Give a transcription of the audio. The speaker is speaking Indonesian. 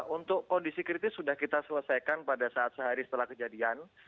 untuk kondisi kritis sudah kita selesaikan pada saat sehari setelah kejadian